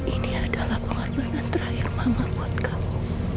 ini adalah pengajuan terakhir mama buat kamu